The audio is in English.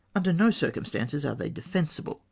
Under no circumstances are they defensible.